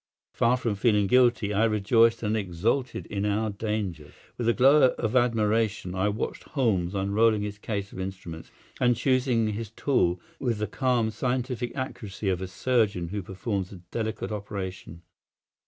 Far from feeling guilty, I rejoiced and exulted in our dangers. With a glow of admiration I watched Holmes unrolling his case of instruments and choosing his tool with the calm, scientific accuracy of a surgeon who performs a delicate operation.